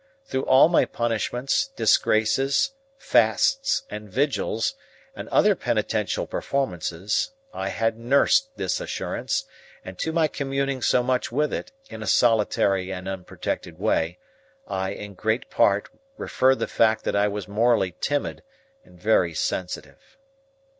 Through all my punishments, disgraces, fasts, and vigils, and other penitential performances, I had nursed this assurance; and to my communing so much with it, in a solitary and unprotected way, I in great part refer the fact that I was morally timid and very sensitive.